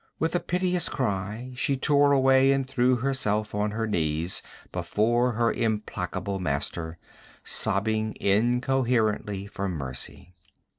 With a piteous cry she tore away and threw herself on her knees before her implacable master, sobbing incoherently for mercy.